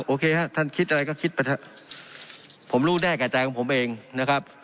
โอเคฮะท่านคิดอะไรก็คิดไปเถอะผมรู้ได้แก่ใจของผมเองนะครับ